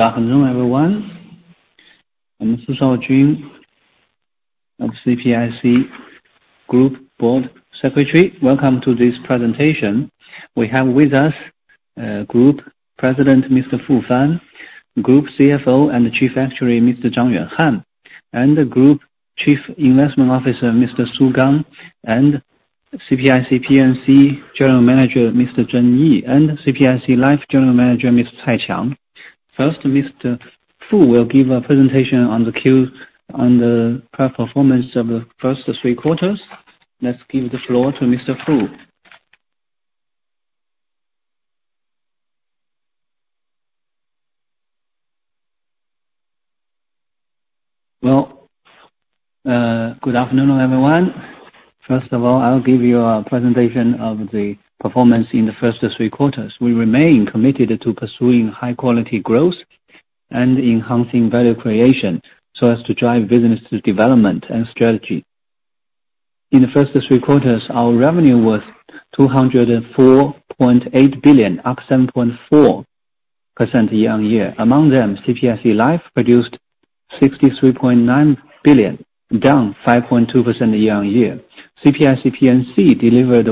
Good afternoon, everyone. I'm Su Shaojun, Board Secretary of CPIC Group. Welcome to this presentation. We have with us Group President, Mr. Fu Fan, Group CFO and Chief Actuary, Mr. Zhang Yuanhan, and the Group Chief Investment Officer, Mr. Su Gang, and CPIC P&C General Manager, Mr. Zheng Yi, and CPIC Life General Manager, Mr. Cai Qiang. First, Mr. Fu will give a presentation on the current performance of the first three quarters. Let's give the floor to Mr. Fu. Well, good afternoon, everyone. First of all, I'll give you a presentation of the performance in the first three quarters. We remain committed to pursuing high quality growth and enhancing value creation, so as to drive business development and strategy. In the first three quarters, our revenue was 204.8 billion, up 7.4% year-on-year. Among them, CPIC Life produced 63.9 billion, down 5.2% year-on-year. CPIC P&C delivered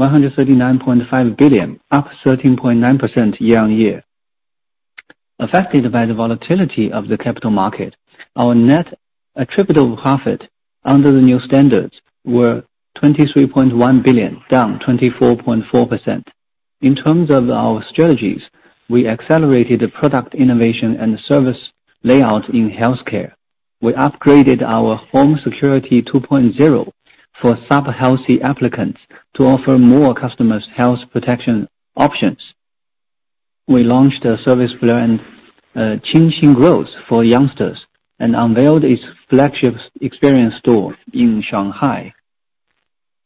139.5 billion, up 13.9% year-on-year. Affected by the volatility of the capital market, our net attributable profit under the new standards were 23.1 billion, down 24.4%. In terms of our strategies, we accelerated the product innovation and service layout in healthcare. We upgraded our home security 2.0 for sub-healthy applicants to offer more customers health protection options. We launched a service plan, Qingxin Growth for youngsters, and unveiled its flagship experience store in Shanghai.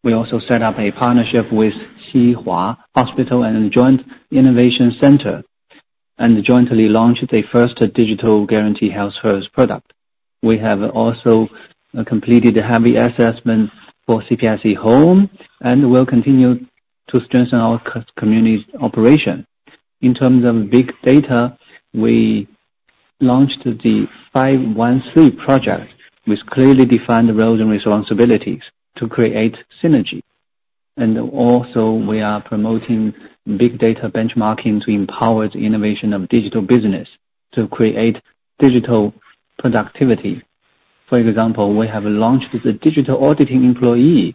We also set up a partnership with Xinhua Hospital and a joint innovation center, and jointly launched the first digital guarantee health first product. We have also completed the heavy assessment for CPIC Home, and will continue to strengthen our community operation. In terms of big data, we launched the 5-1-3 project, with clearly defined roles and responsibilities to create synergy. And also, we are promoting big data benchmarking to empower the innovation of digital business, to create digital productivity. For example, we have launched the digital auditing employee.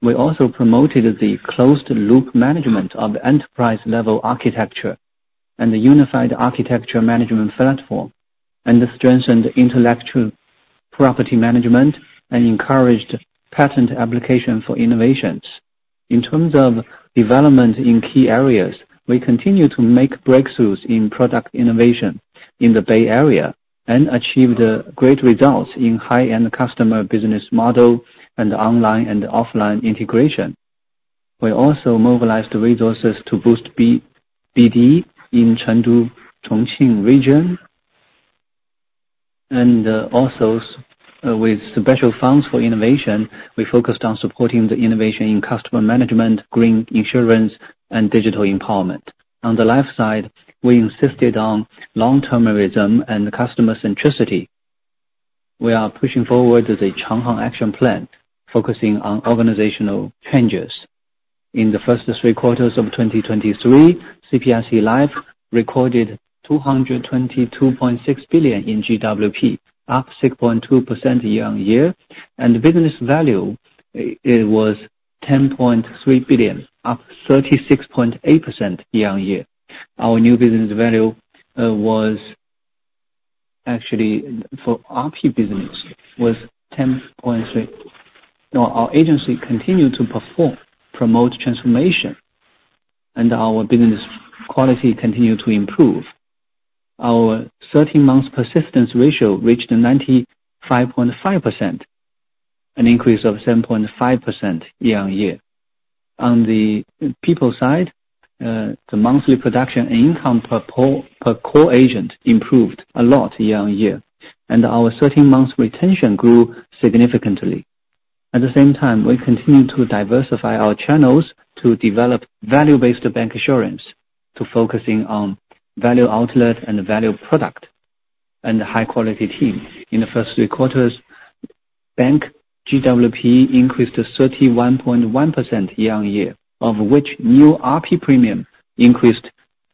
We also promoted the closed loop management of enterprise-level architecture, and the unified architecture management platform, and strengthened intellectual property management, and encouraged patent application for innovations. In terms of development in key areas, we continue to make breakthroughs in product innovation in the Bay Area, and achieved great results in high-end customer business model, and online and offline integration. We also mobilized resources to boost BD in Chengdu-Chongqing region. Also, with special funds for innovation, we focused on supporting the innovation in customer management, green insurance, and digital empowerment. On the life side, we insisted on long-termism and customer centricity. We are pushing forward the Changhong Action Plan, focusing on organizational changes. In the first three quarters of 2023, CPIC Life recorded 222.6 billion in GWP, up 6.2% year-over-year, and the business value, it was 10.3 billion, up 36.8% year-over-year. Our new business value was actually for RP business, was 10.3 billion. Now, our agency continued to perform, promote transformation, and our business quality continued to improve. Our thirteen-month persistence ratio reached 95.5%, an increase of 7.5% year-over-year. On the people side, the monthly production and income per per core agent improved a lot year-on-year, and our thirteen-month retention grew significantly. At the same time, we continued to diversify our channels to develop value-based bank insurance, to focusing on value outlet and value product, and high quality team. In the first three quarters, bank GWP increased to 31.1% year-on-year, of which new RP premium increased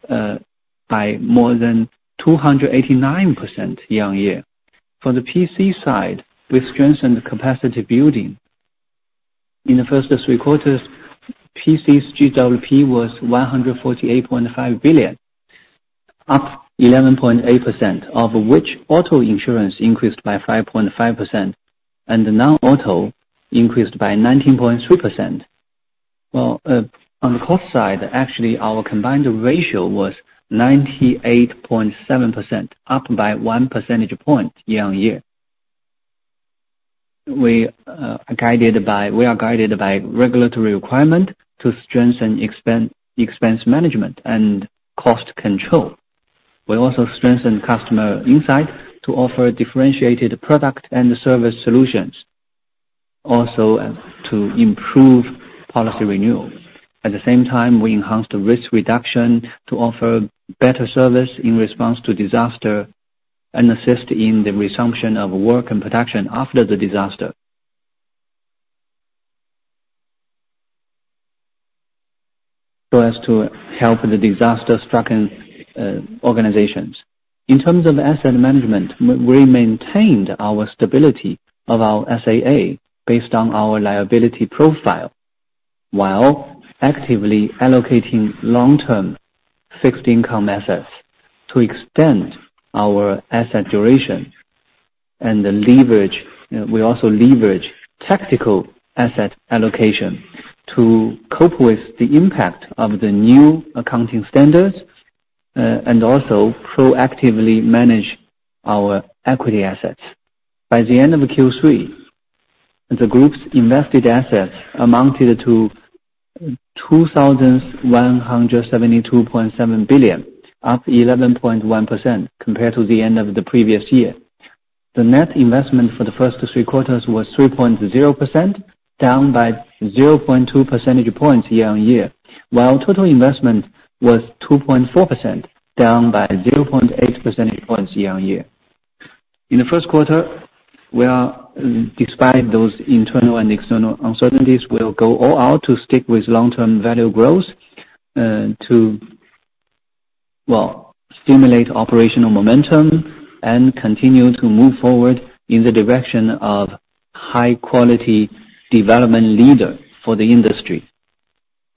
by more than 289% year-on-year. For the PC side, we strengthened capacity building. In the first three quarters, PC's GWP was 148.5 billion, up 11.8%, of which auto insurance increased by 5.5%, and the non-auto increased by 19.3%. Well, on the cost side, actually, our combined ratio was 98.7%, up by 1 percentage point year-on-year. We are guided by regulatory requirement to strengthen expense management and cost control. We also strengthened customer insight to offer differentiated product and service solutions, also to improve policy renewal. At the same time, we enhanced the risk reduction to offer better service in response to disaster, and assist in the resumption of work and production after the disaster, so as to help the disaster-stricken organizations. In terms of asset management, we maintained our stability of our SAA based on our liability profile, while actively allocating long-term fixed income assets to extend our asset duration and the leverage. We also leverage tactical asset allocation to cope with the impact of the new accounting standards, and also proactively manage our equity assets. By the end of Q3, the group's invested assets amounted to 2,172.7 billion, up 11.1% compared to the end of the previous year. The net investment for the first three quarters was 3.0%, down by 0.2 percentage points year-on-year, while total investment was 2.4%, down by 0.8 percentage points year-on-year. In the Q1, we are despite those internal and external uncertainties, we will go all out to stick with long-term value growth, to well stimulate operational momentum and continue to move forward in the direction of high quality development leader for the industry.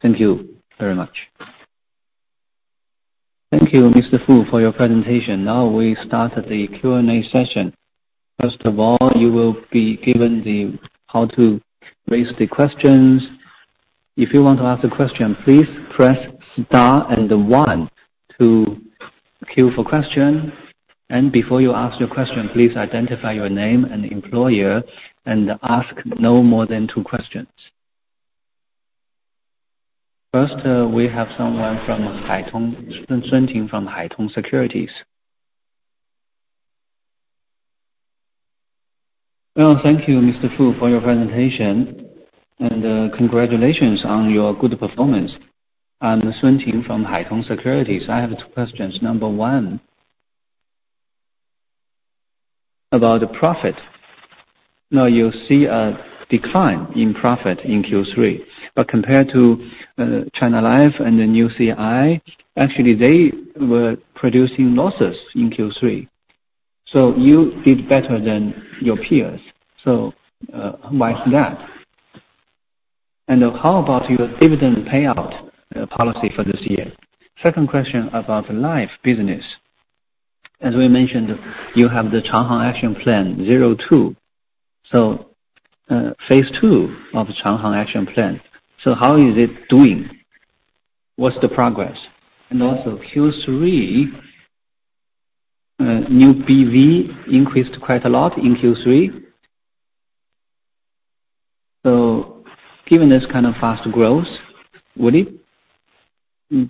Thank you very much. Thank you, Mr. Fu, for your presentation. Now we start the Q&A session. First of all, you will be given the how to raise the questions. If you want to ask a question, please press star and 1 to queue for question. And before you ask your question, please identify your name and employer and ask no more than 2 questions. First, we have someone from Haitong, Sun Ting from Haitong Securities. Well, thank you, Mr. Fu, for your presentation, and, congratulations on your good performance. I'm Sun Ting from Haitong Securities. I have 2 questions. Number 1, about the profit. Now, you see a decline in profit in Q3, but compared to, China Life and then UCI, actually, they were producing losses in Q3. So you did better than your peers. So, why is that? And how about your dividend payout, policy for this year? Second question about life business. As we mentioned, you have the Changhong Action Plan zero two. Phase II of the Changhong Action Plan, how is it doing? What's the progress? Q3 new BV increased quite a lot in Q3. Given this kind of fast growth, would it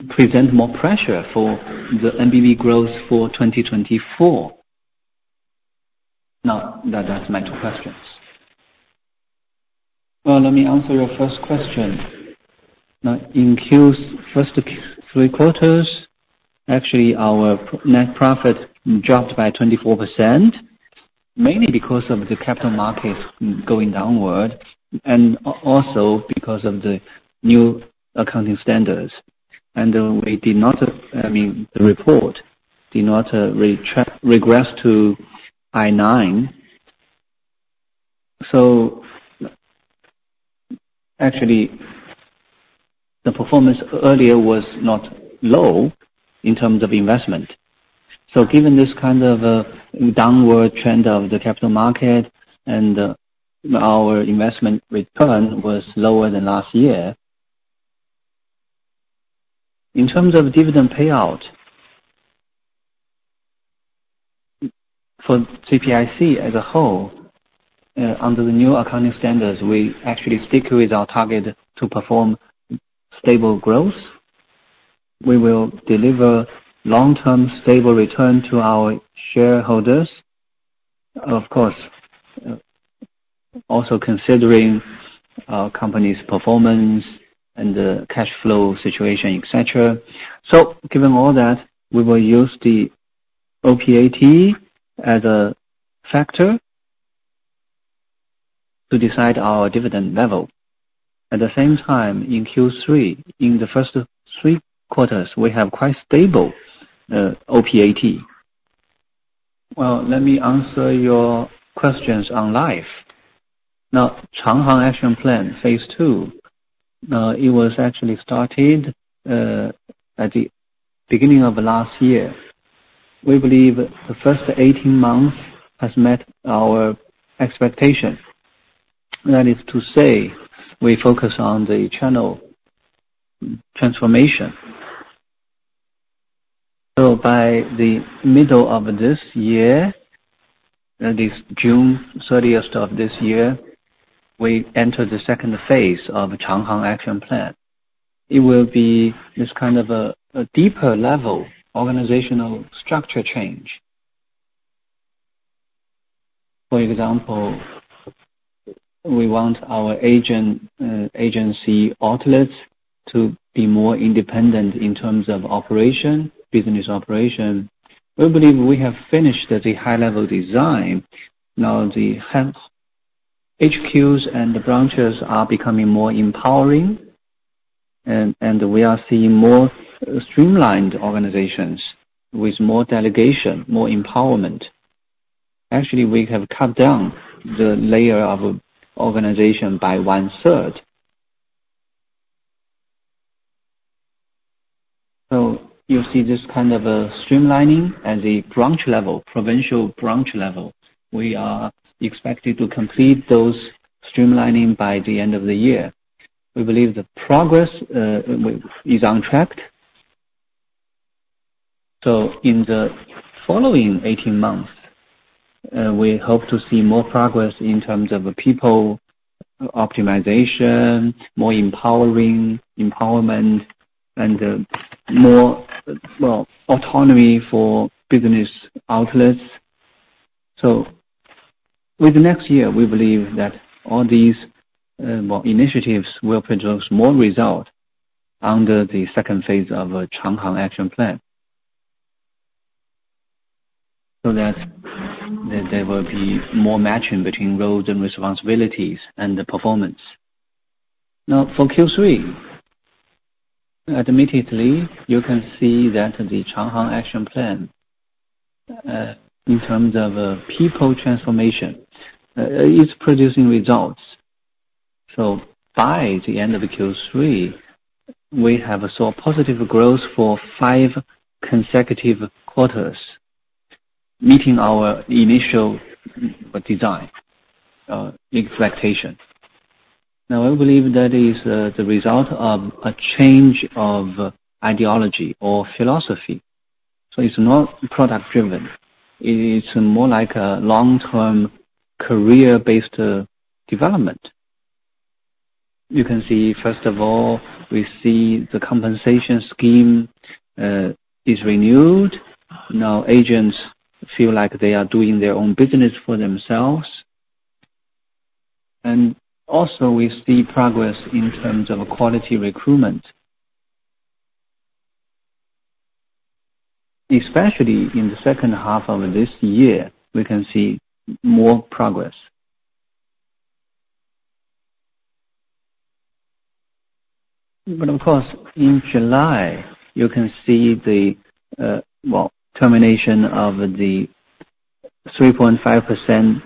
present more pressure for the NBV growth for 2024? That's my two questions. Well, let me answer your first question. In Q's first three quarters, actually, our net profit dropped by 24%, mainly because of the capital markets going downward, and also because of the new accounting standards. I mean, the report did not regress to I9. Actually, the performance earlier was not low in terms of investment. So given this kind of downward trend of the capital market and our investment return was lower than last year. In terms of dividend payout, for CPIC as a whole, under the new accounting standards, we actually stick with our target to perform stable growth. We will deliver long-term stable return to our shareholders. Of course, also considering our company's performance and the cash flow situation, et cetera. So given all that, we will use the OPAT as a factor to decide our dividend level. At the same time, in Q3, in the first three quarters, we have quite stable OPAT. Well, let me answer your questions on Life. Now, Changhong Action Plan, phase II, it was actually started at the beginning of last year. We believe the first 18 months has met our expectation. That is to say, we focus on the channel transformation. So by the middle of this year, that is June thirtieth of this year, we enter the second phase of Changhang Action Plan. It will be this kind of a deeper level, organizational structure change. For example, we want our agent, agency outlets to be more independent in terms of operation, business operation. We believe we have finished the high-level design. Now, the headquarters and the branches are becoming more empowering, and we are seeing more streamlined organizations with more delegation, more empowerment. Actually, we have cut down the layer of organization by one-third. So you see this kind of streamlining at the branch level, provincial branch level. We are expected to complete those streamlining by the end of the year. We believe the progress is on track. So in the following 18 months, we hope to see more progress in terms of the people optimization, more empowering, empowerment, and, more, well, autonomy for business outlets. With next year, we believe that all these, well, initiatives will produce more result under the second phase of Changhong Action Plan. That there will be more matching between roles and responsibilities and the performance. Now, for Q3, admittedly, you can see that the Changhong Action Plan in terms of people transformation, it's producing results. By the end of the Q3, we have saw positive growth for 5 consecutive quarters, meeting our initial design expectation. Now, I believe that is the result of a change of ideology or philosophy. So it's not product-driven. It's more like a long-term career-based development. You can see, first of all, we see the compensation scheme is renewed. Now, agents feel like they are doing their own business for themselves. And also, we see progress in terms of quality recruitment. Especially in the second half of this year, we can see more progress. But of course, in July, you can see the termination of the 3.5%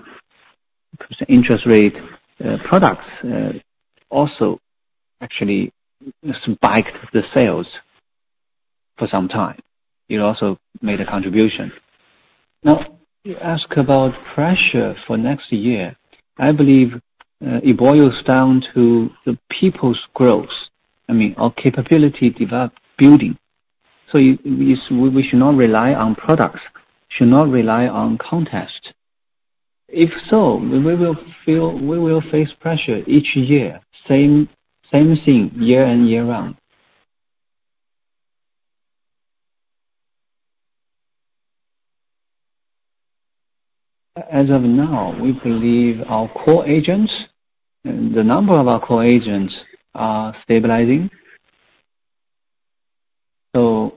interest rate products also actually spiked the sales for some time. It also made a contribution. Now, you ask about pressure for next year. I believe it boils down to the people's growth. I mean, our capability develop, building. So we, we should not rely on products, should not rely on contest. If so, then we will face pressure each year, same, same thing, year in, year out. As of now, we believe our core agents, and the number of our core agents, are stabilizing. So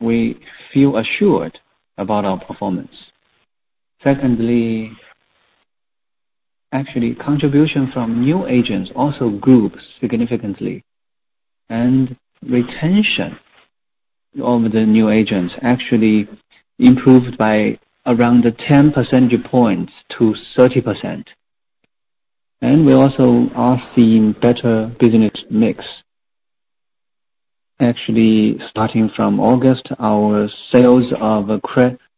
we feel assured about our performance. Secondly, actually, contribution from new agents also grew significantly, and retention of the new agents actually improved by around 10 percentage points to 30%. And we also are seeing better business mix. Actually, starting from August, our sales of critical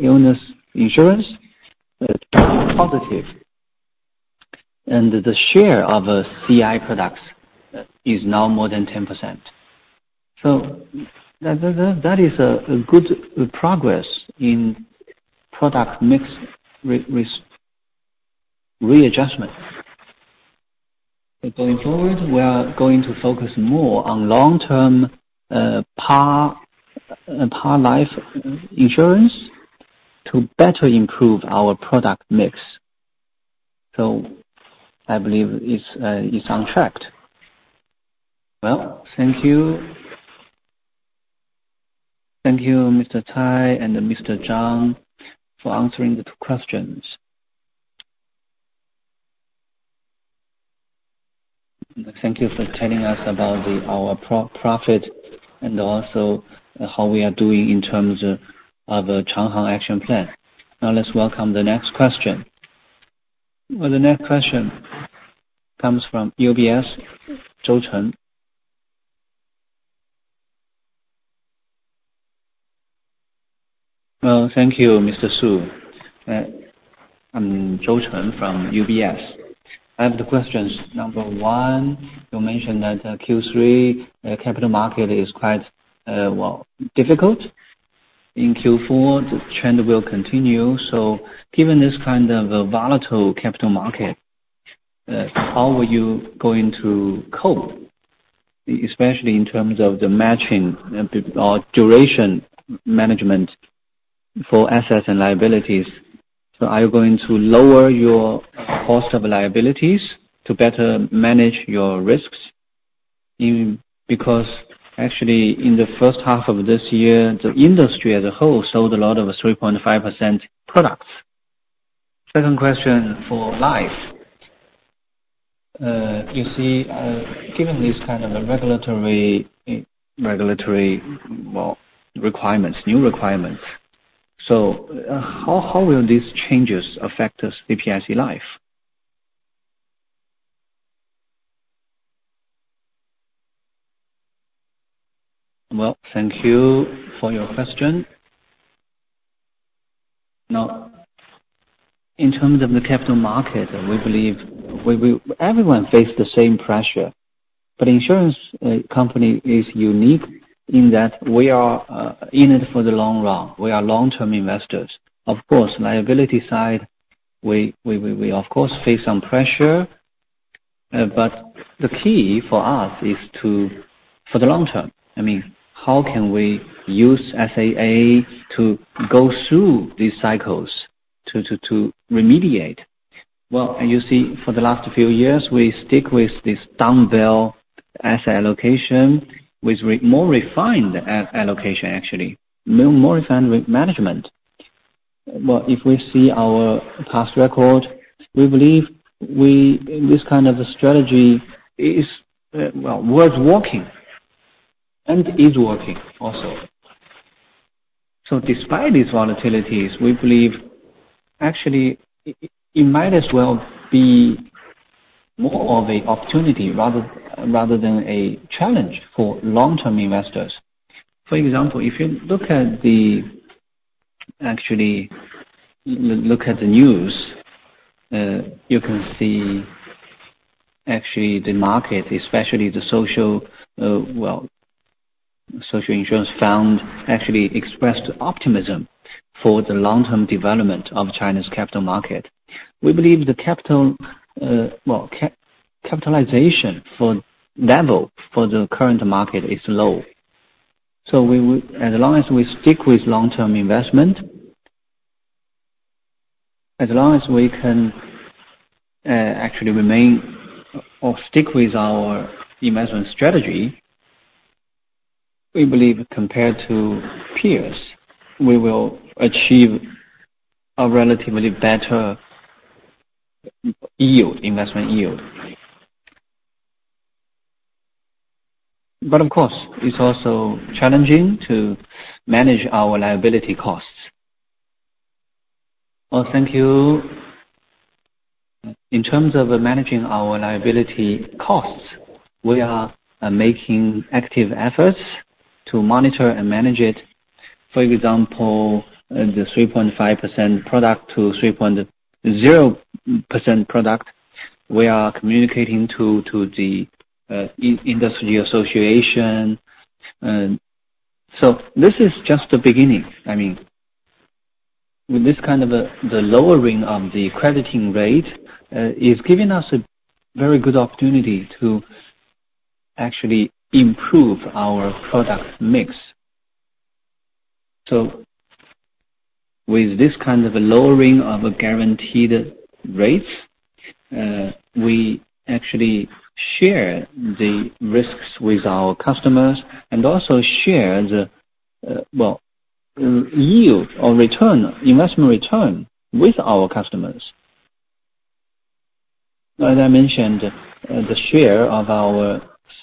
illness insurance positive, and the share of CI products is now more than 10%. So that is a good progress in product mix readjustment. But going forward, we are going to focus more on long-term par life insurance to better improve our product mix. So I believe it's on track. Well, thank you. Thank you, Mr. Cai and Mr. Zhang, for answering the two questions. Thank you for telling us about the, our profit and also how we are doing in terms of, of Changhong Action Plan. Now, let's welcome the next question. Well, the next question comes from UBS, Zhou Chen. Thank you, Mr. Su. I'm Zhou Chen from UBS. I have the questions. Number one, you mentioned that Q3 capital market is quite, well, difficult. In Q4, the trend will continue. Given this kind of a volatile capital market, how are you going to cope?... especially in terms of the matching or duration management for assets and liabilities. Are you going to lower your cost of liabilities to better manage your risks in- because actually, in the first half of this year, the industry as a whole, sold a lot of 3.5% products. Second question for life. You see, given this kind of a regulatory, well, requirements, new requirements, so how will these changes affect us, CPIC Life? Well, thank you for your question. Now, in terms of the capital market, we believe we will everyone face the same pressure, but insurance company is unique in that we are in it for the long run. We are long-term investors. Of course, liability side, we of course face some pressure, but the key for us is to, for the long term, I mean, how can we use SAA to go through these cycles to remediate? Well, you see, for the last few years, we stick with this dumbbell asset allocation, with more refined asset allocation, actually, more refined with management. But if we see our past record, we believe we this kind of a strategy is, well, worth working and is working also. So despite these volatilities, we believe actually, it might as well be more of a opportunity, rather than a challenge for long-term investors. For example, if you look at the news, you can see actually the market, especially the social insurance fund, actually expressed optimism for the long-term development of China's capital market. We believe the capitalization level for the current market is low. So as long as we stick with long-term investment, as long as we can actually remain or stick with our investment strategy, we believe compared to peers, we will achieve a relatively better yield, investment yield. But of course, it's also challenging to manage our liability costs. Well, thank you. In terms of managing our liability costs, we are making active efforts to monitor and manage it. For example, the 3.5% product to 3.0% product, we are communicating to the industry association. So this is just the beginning. I mean, with this kind of a, the lowering of the crediting rate is giving us a very good opportunity to actually improve our product mix. So with this kind of a lowering of a guaranteed rates, we actually share the risks with our customers and also share the, well, yield or return, investment return with our customers. As I mentioned, the share of our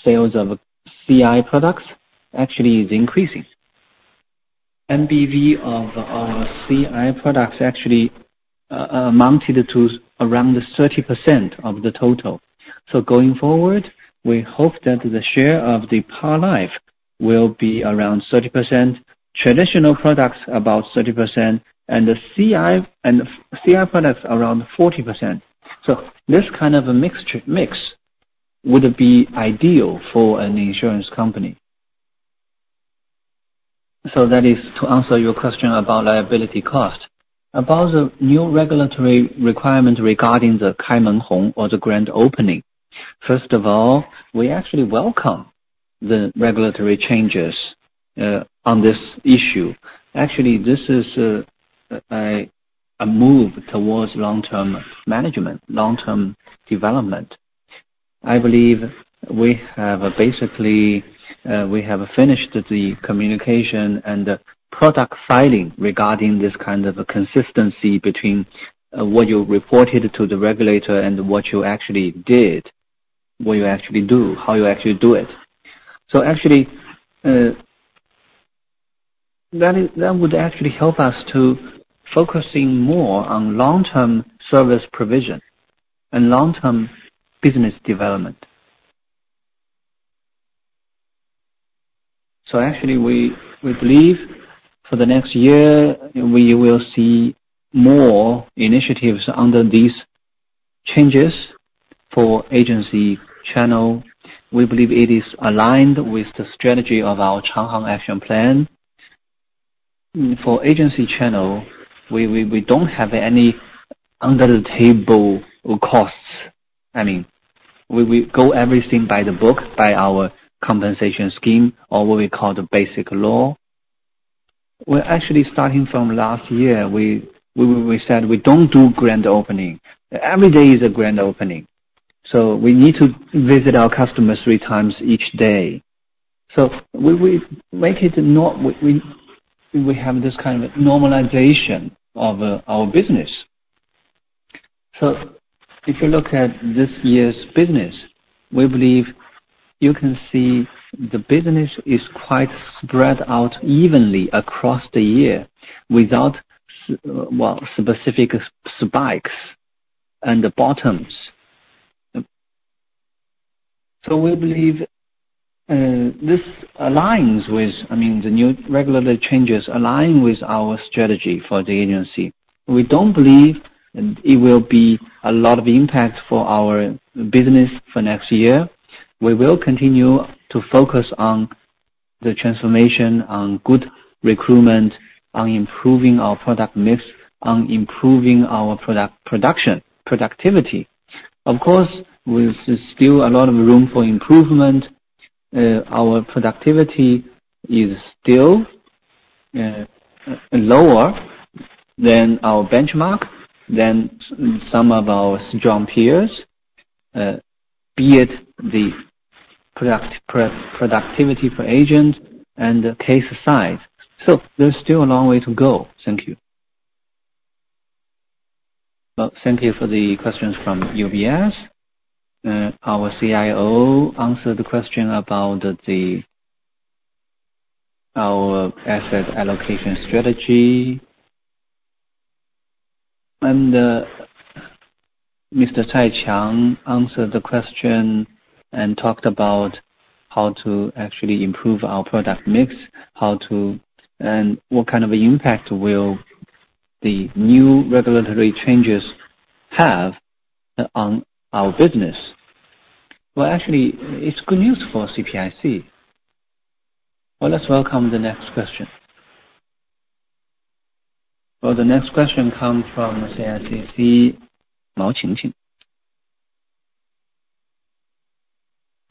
sales of CI products actually is increasing. MBV of our CI products actually amounted to around 30% of the total. So going forward, we hope that the share of the par life will be around 30%, traditional products, about 30%, and the CI, and CI products, around 40%. So this kind of a mixture, mix would be ideal for an insurance company. So that is to answer your question about liability cost. About the new regulatory requirement regarding the Kai Men Hong or the grand opening, first of all, we actually welcome the regulatory changes on this issue. Actually, this is a move towards long-term management, long-term development. I believe we have basically, we have finished the communication and the product filing regarding this kind of a consistency between, what you reported to the regulator and what you actually did, what you actually do, how you actually do it. So actually, that would actually help us to focusing more on long-term service provision and long-term business development. So actually, we, we believe for the next year, we will see more initiatives under these changes for agency channel. We believe it is aligned with the strategy of our Changhong Action Plan. For agency channel, we, we, we don't have any under the table costs. I mean, we, we go everything by the book, by our compensation scheme, or what we call the basic law. Well, actually, starting from last year, we, we, we said we don't do grand opening. Every day is a grand opening. So we need to visit our customers three times each day. So we make it not—we have this kind of normalization of our business. So if you look at this year's business, we believe you can see the business is quite spread out evenly across the year without specific spikes and bottoms. So we believe this aligns with, I mean, the new regulatory changes align with our strategy for the agency. We don't believe it will be a lot of impact for our business for next year. We will continue to focus on the transformation, on good recruitment, on improving our product mix, on improving our product production, productivity. Of course, there's still a lot of room for improvement. Our productivity is still lower than our benchmark, than some of our strong peers, be it the productivity per agent and the case size. So there's still a long way to go. Thank you. Well, thank you for the questions from UBS. Our CIO answered the question about the our asset allocation strategy. And Mr. Cai Qiang answered the question and talked about how to actually improve our product mix, how to and what kind of impact will the new regulatory changes have on our business. Well, actually, it's good news for CPIC. Well, let's welcome the next question. Well, the next question come from CICC, Mao Qingqing.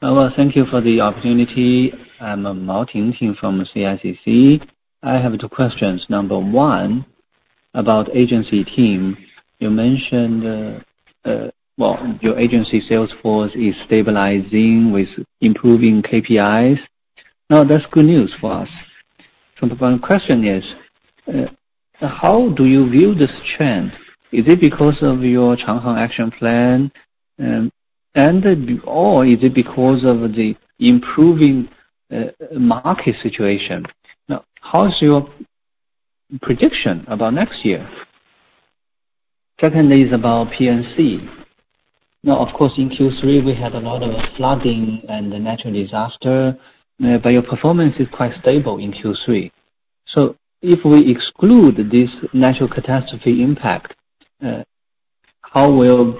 Thank you for the opportunity. I'm Mao Qingqing from CICC. I have two questions. Number one, about agency team. You mentioned, well, your agency sales force is stabilizing with improving KPIs. Now, that's good news for us. The final question is, how do you view this trend? Is it because of your Changhang Action Plan, or is it because of the improving market situation? How's your prediction about next year? Secondly, about P&C. In Q3, we had a lot of flooding and the natural disaster, but your performance is quite stable in Q3. If we exclude this natural catastrophe impact, how will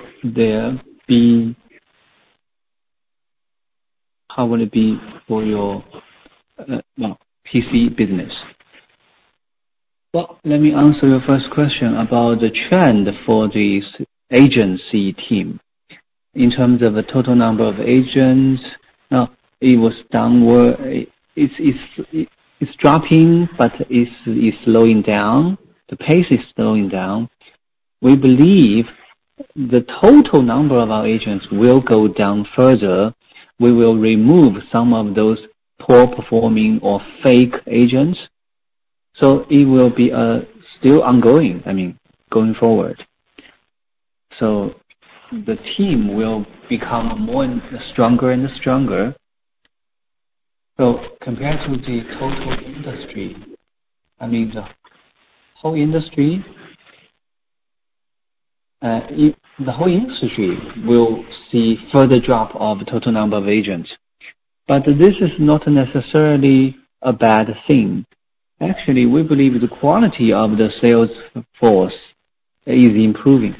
it be for your, you know, P&C business? Well, let me answer your first question about the trend for this agency team. In terms of the total number of agents, it was downward. It's dropping, but it's slowing down. The pace is slowing down. We believe the total number of our agents will go down further. We will remove some of those poor performing or fake agents, so it will be still ongoing, I mean, going forward. So the team will become more and stronger and stronger. So compared to the total industry, I mean, the whole industry, the whole industry will see further drop of total number of agents. But this is not necessarily a bad thing. Actually, we believe the quality of the sales force is improving.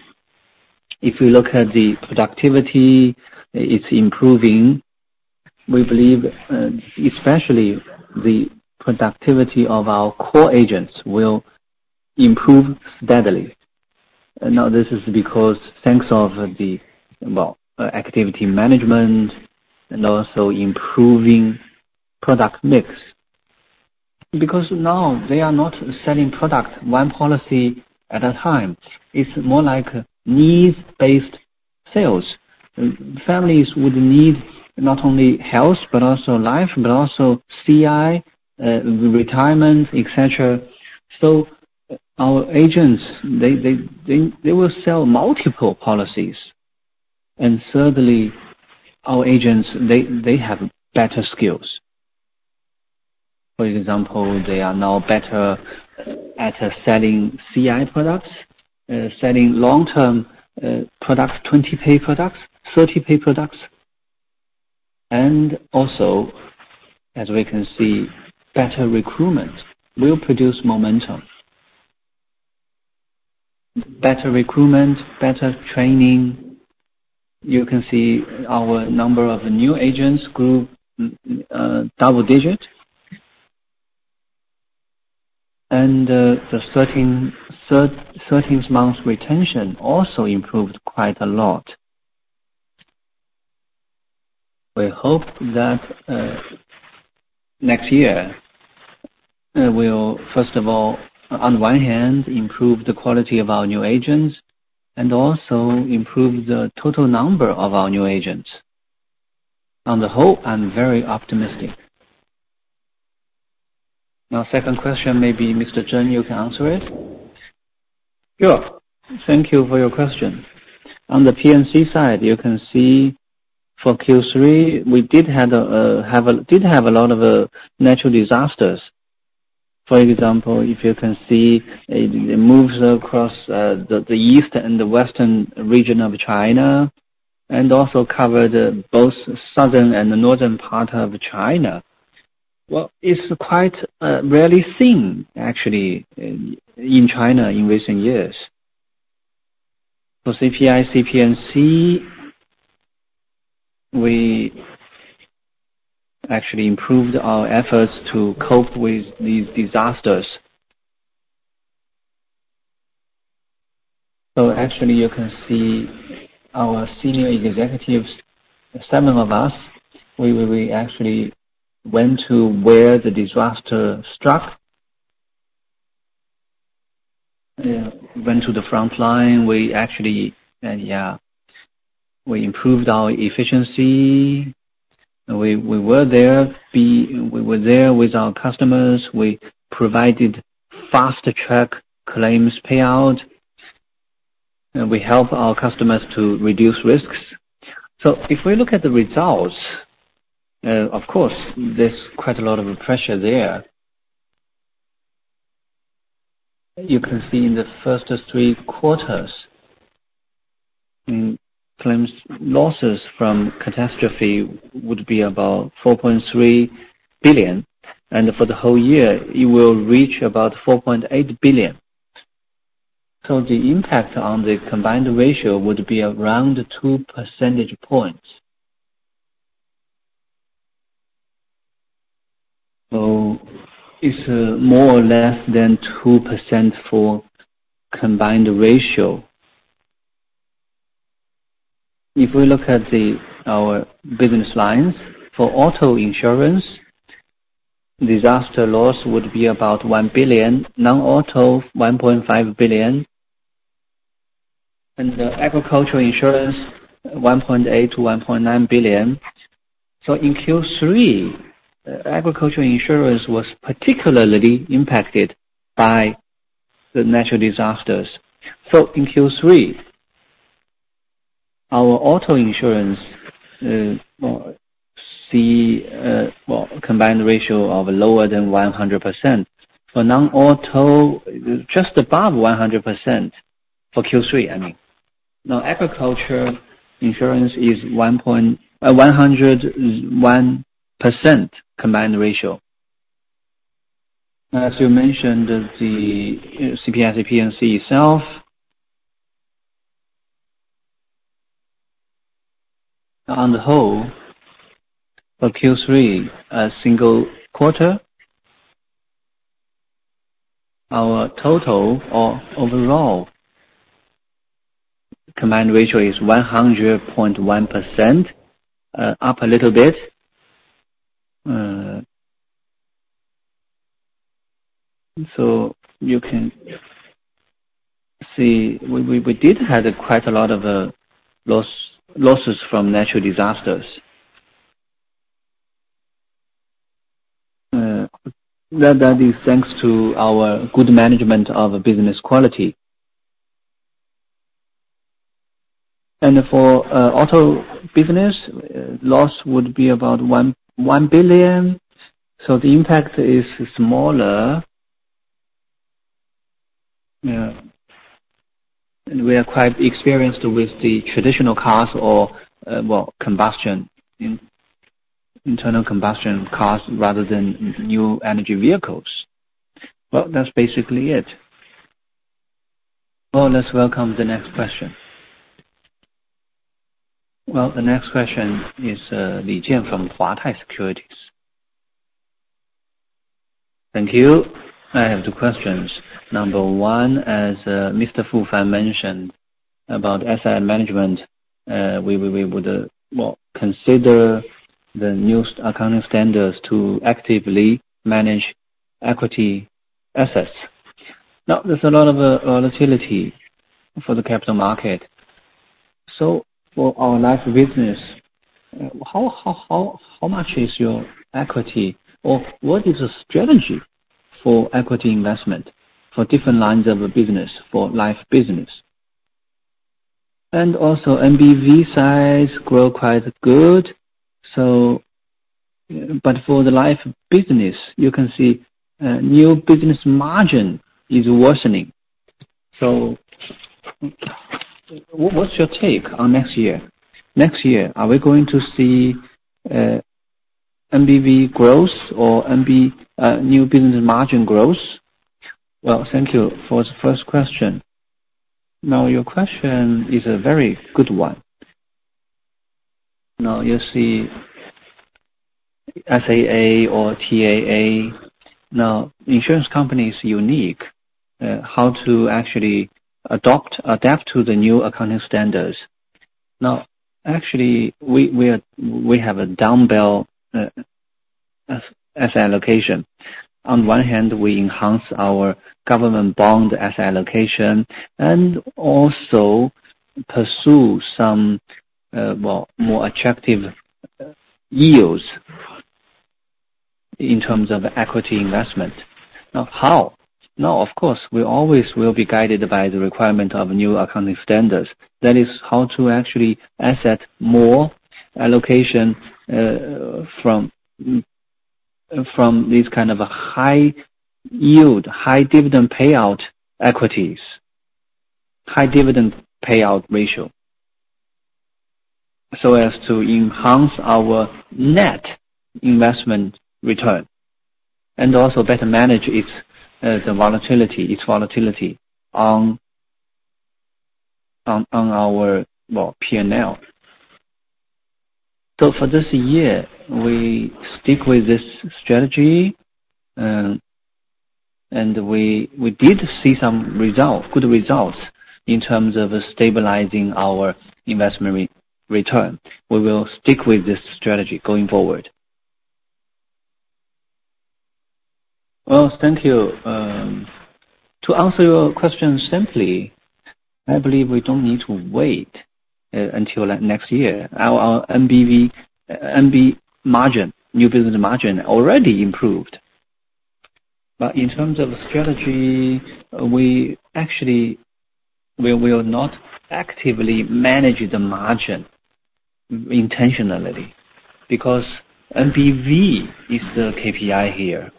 If we look at the productivity, it's improving. We believe, especially the productivity of our core agents will improve steadily. And now, this is because thanks to the, well, activity management and also improving product mix. Because now they are not selling product one policy at a time. It's more like needs-based sales. Families would need not only health, but also life, but also CI, retirement, et cetera. So our agents, they will sell multiple policies. And certainly, our agents, they have better skills. For example, they are now better at selling CI products, selling long-term products, 20-pay products, 30-pay products. And also, as we can see, better recruitment will produce momentum. Better recruitment, better training. You can see our number of new agents grew double-digit. And the thirteenth-month retention also improved quite a lot. We hope that next year we'll first of all, on one hand, improve the quality of our new agents, and also improve the total number of our new agents. On the whole, I'm very optimistic. Now, second question, maybe Mr. Qiang, you can answer it? Sure. Thank you for your question. On the P&C side, you can see for Q3, we did have a lot of natural disasters. For example, if you can see, it moves across the east and the western region of China, and also covered both southern and the northern part of China. Well, it's quite rarely seen, actually, in China in recent years. For CPIC P&C, we actually improved our efforts to cope with these disasters. So actually, you can see our senior executives, seven of us, we actually went to where the disaster struck. Went to the front line. We actually improved our efficiency. We were there with our customers. We provided fast track claims payout, and we help our customers to reduce risks. So if we look at the results, of course, there's quite a lot of pressure there. You can see in the first three quarters, in claims, losses from catastrophe would be about 4.3 billion, and for the whole year, it will reach about 4.8 billion. So the impact on the combined ratio would be around 2 percentage points. So it's, more or less than 2% for combined ratio. If we look at the, our business lines, for auto insurance, disaster loss would be about 1 billion, non-auto, 1.5 billion, and the agricultural insurance, 1.8 billion-1.9 billion. So in Q3, agricultural insurance was particularly impacted by the natural disasters. So in Q3, our auto insurance, combined ratio of lower than 100%. For non-auto, just above 100%, for Q3, I mean. Now, agricultural insurance is 101% combined ratio. As you mentioned, the CPIC P&C itself... On the whole, for Q3, a single quarter, our total or overall combined ratio is 100.1%, up a little bit. You can see, we did have quite a lot of loss, losses from natural disasters. That is thanks to our good management of business quality. For auto business, loss would be about 1 billion, so the impact is smaller. Yeah. We are quite experienced with the traditional cars or, well, combustion, internal combustion cars rather than new energy vehicles. Well, that's basically it. Let's welcome the next question. The next question is Li Jian from Huatai Securities. Thank you. I have two questions. Number one, as Mr. Fu Fan mentioned about asset management, we would well consider the new accounting standards to actively manage equity assets. Now, there's a lot of volatility for the capital market. So for our life business, how much is your equity or what is the strategy for equity investment for different lines of business, for life business? And also, NBV size grow quite good, so but for the life business, you can see new business margin is worsening. So what's your take on next year? Next year, are we going to see NBV growth or NB new business margin growth? Well, thank you for the first question. Now, your question is a very good one. Now, you see, SAA or TAA, now, insurance company is unique, how to actually adopt, adapt to the new accounting standards. Now, actually, we, we are—we have a down bell, as, as allocation. On one hand, we enhance our government bond as allocation, and also pursue some, well, more attractive, yields in terms of equity investment. Now, how? Now, of course, we always will be guided by the requirement of new accounting standards. That is how to actually asset more allocation, from, from these kind of a high yield, high dividend payout equities, high dividend payout ratio, so as to enhance our net investment return, and also better manage its, the volatility, its volatility on, on, on our, well, PNL. So for this year, we stick with this strategy, and we did see some result, good results in terms of stabilizing our investment return. We will stick with this strategy going forward. Well, thank you. To answer your question simply, I believe we don't need to wait until, like, next year. Our NBV, NB margin, new business margin, already improved. But in terms of strategy, we actually will not actively manage the margin intentionally, because NBV is the KPI here,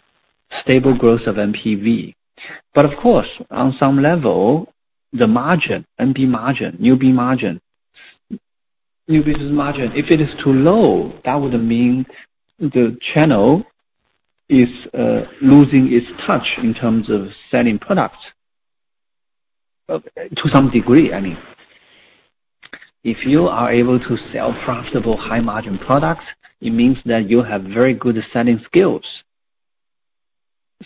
stable growth of NBV. But of course, on some level, the margin, NB margin, new B margin, new business margin, if it is too low, that would mean the channel is losing its touch in terms of selling products to some degree, I mean. If you are able to sell profitable high-margin products, it means that you have very good selling skills.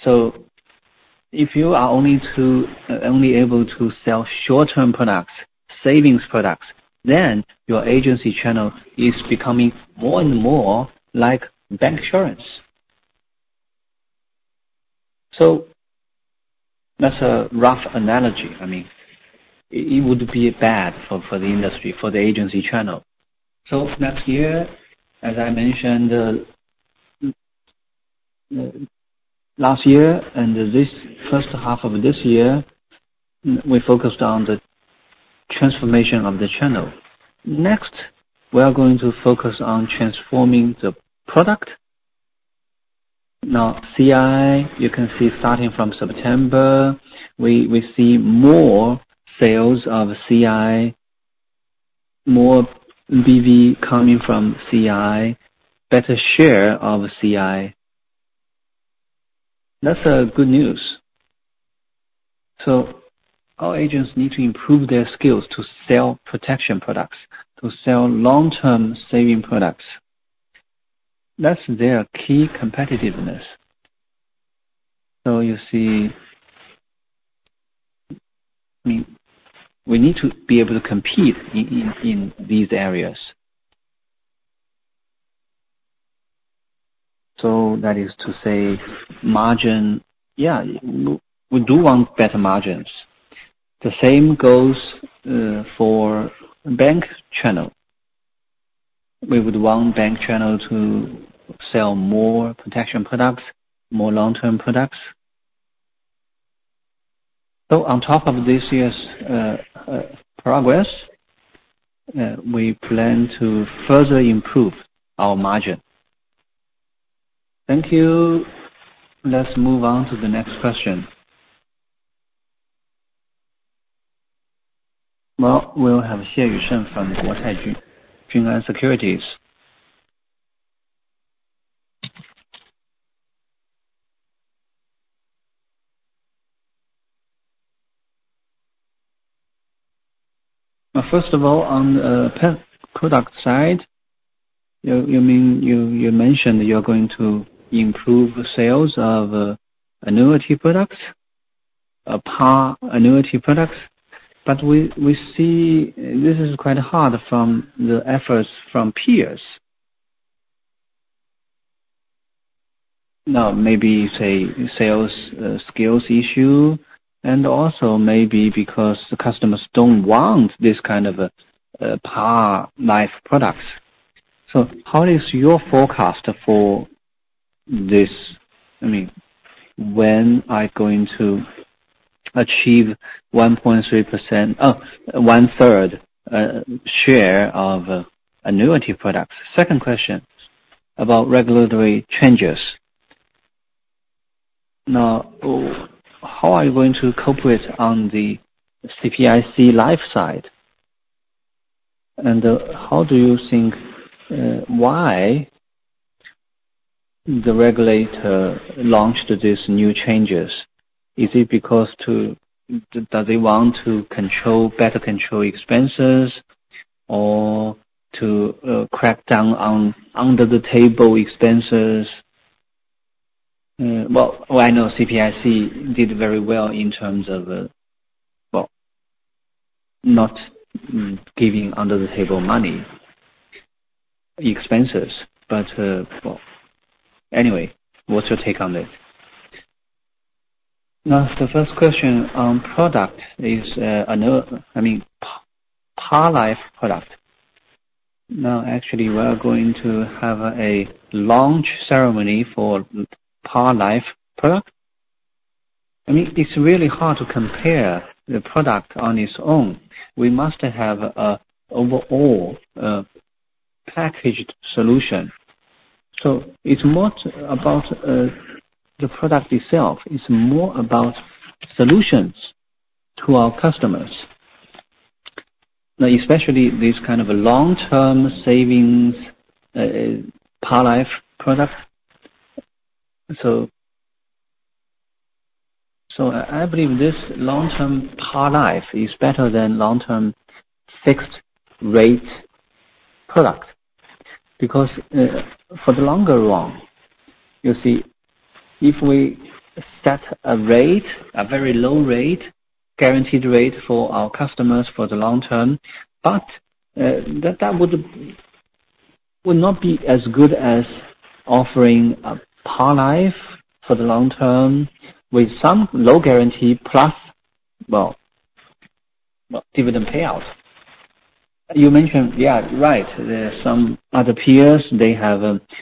So if you are only able to sell short-term products, savings products, then your agency channel is becoming more and more like bancassurance. So that's a rough analogy. I mean, it would be bad for the industry, for the agency channel. So next year, as I mentioned last year, and this first half of this year, we focused on the transformation of the channel. Next, we are going to focus on transforming the product. Now, CI, you can see starting from September, we see more sales of CI, more BV coming from CI, better share of CI. That's a good news. So our agents need to improve their skills to sell protection products, to sell long-term saving products. That's their key competitiveness. So you see, we need to be able to compete in these areas. So that is to say, margin, yeah, we do want better margins. The same goes for bank channel. We would want bank channel to sell more protection products, more long-term products. So on top of this year's progress, we plan to further improve our margin. Thank you. Let's move on to the next question. Well, we'll have Xie Yusheng from Guotai Junan Securities. First of all, on the health product side, you mean you mentioned you're going to improve sales of annuity products, par annuity products, but we see this is quite hard from the efforts from peers. Now, maybe, say, sales skills issue, and also maybe because the customers don't want this kind of par life products. So how is your forecast for this? I mean, when are you going to achieve 1.3%... Oh, one-third share of annuity products? Second question, about regulatory changes. Now, how are you going to cope with on the CPIC Life side? And how do you think why the regulator launched these new changes? Is it because to do they want to control, better control expenses or to crack down on under-the-table expenses? Well, I know CPIC did very well in terms of well, not giving under-the-table money expenses. But well, anyway, what's your take on this? Now, the first question on product is another. I mean, Par Life product. Now, actually, we are going to have a launch ceremony for Par Life product. I mean, it's really hard to compare the product on its own. We must have an overall packaged solution. So it's not about the product itself, it's more about solutions to our customers. Now, especially this kind of long-term savings Par Life product. So I believe this long-term Par Life is better than long-term fixed rate product, because for the longer run, you see, if we set a rate, a very low rate, guaranteed rate for our customers for the long term, but that would not be as good as offering a Par Life for the long term with some low guarantee, plus well dividend payouts. You mentioned, yeah, right, there are some other peers, they have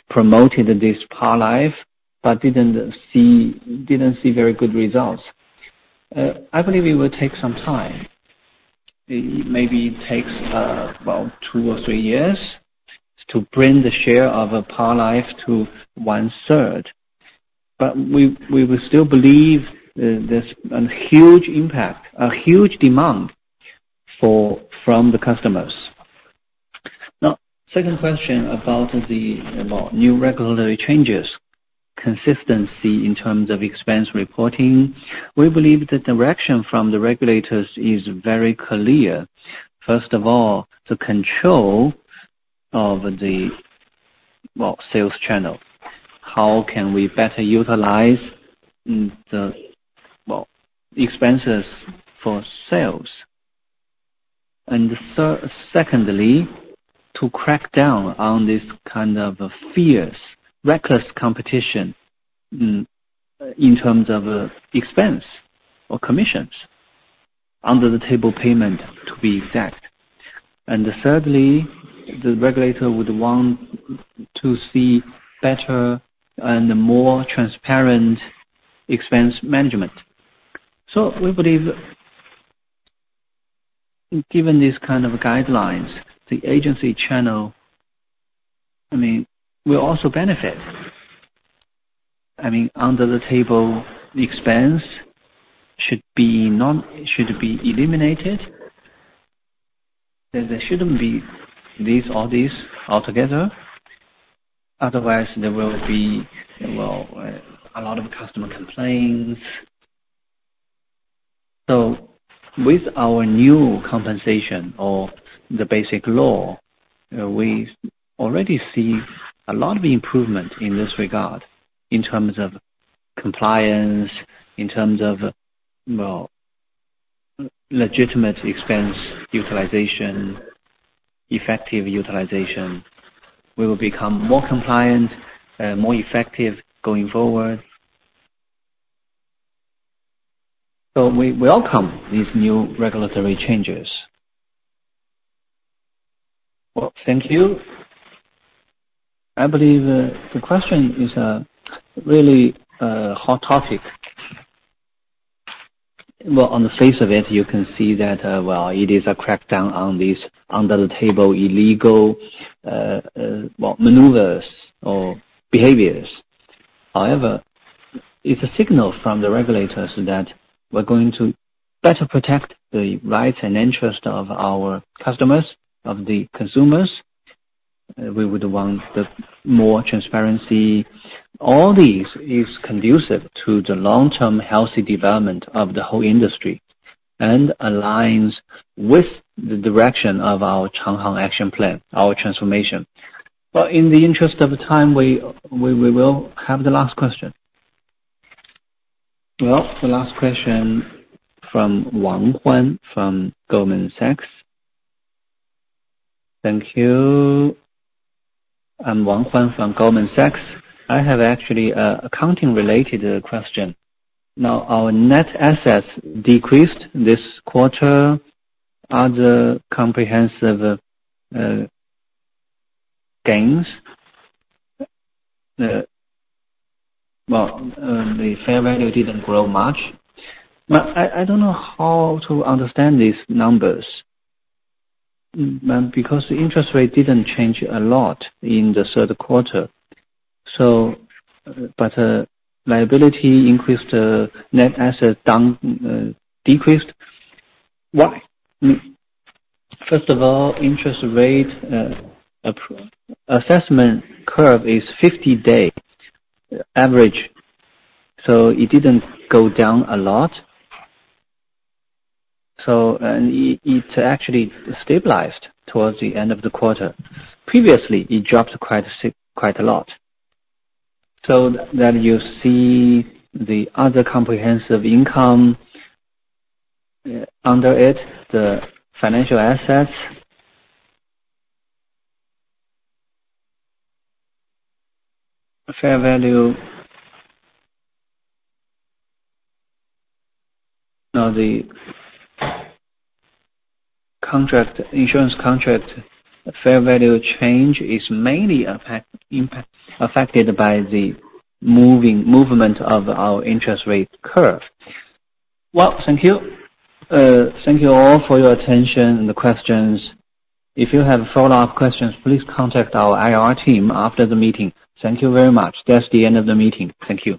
promoted this Par Life, but didn't see very good results. I believe it will take some time. It may take about two or three years to bring the share of a par life to one-third. But we would still believe there's a huge impact, a huge demand for—from the customers. Now, second question about new regulatory changes, consistency in terms of expense reporting. We believe the direction from the regulators is very clear. First of all, the control of, well, the sales channel. How can we better utilize the expenses for sales? And third—secondly, to crack down on this kind of fierce, reckless competition in terms of expense or commissions, under-the-table payment to be exact. And thirdly, the regulator would want to see better and more transparent expense management. So we believe, given these kind of guidelines, the agency channel, I mean, will also benefit. I mean, under-the-table expense should be—should be eliminated. There shouldn't be these or these altogether, otherwise there will be, well, a lot of customer complaints. So with our new compensation or the basic law, we already see a lot of improvement in this regard in terms of compliance, in terms of, well, legitimate expense utilization, effective utilization. We will become more compliant, more effective going forward. So we welcome these new regulatory changes. Well, thank you. I believe the question is really hot topic. Well, on the face of it, you can see that, well, it is a crackdown on these under-the-table illegal maneuvers or behaviors. However, it's a signal from the regulators that we're going to better protect the rights and interest of our customers, of the consumers. We would want the more transparency. All these is conducive to the long-term healthy development of the whole industry, and aligns with the direction of our Changhong Action Plan, our transformation. But in the interest of time, we will have the last question. Well, the last question from Wang Huan, from Goldman Sachs. Thank you. I'm Wang Huan from Goldman Sachs. I have actually a accounting-related question. Now, our net assets decreased this quarter. Other comprehensive gains, well, the fair value didn't grow much. But I don't know how to understand these numbers, because the interest rate didn't change a lot in the Q3 so... But, liability increased, net asset down, decreased. Why? First of all, interest rate, assessment curve is 50 days average, so it didn't go down a lot. So, it actually stabilized towards the end of the quarter. Previously, it dropped quite a lot. So then you see the other comprehensive income under it, the financial assets. Fair value, now, the contract, insurance contract, fair value change is mainly affected by the movement of our interest rate curve. Well, thank you. Thank you all for your attention and the questions. If you have follow-up questions, please contact our IR team after the meeting. Thank you very much. That's the end of the meeting. Thank you.